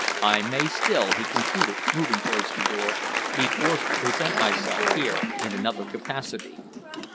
"I may still," he concluded, moving towards the door, "be forced to present myself here in another capacity."